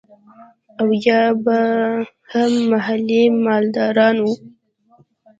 او يا به هم محلي مالداران وو.